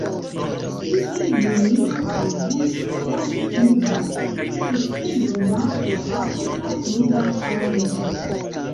Inter junio-aŭgusto ofte pluvas, inter decembro-marto apenaŭ pluvas aŭ neĝas.